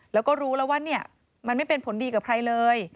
แล้วก็รู้แล้วว่าเนี่ยมันไม่เป็นผลดีกับใครเลย